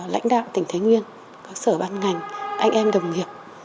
lãnh đạo tỉnh thái nguyên các sở ban ngành anh em đồng nghiệp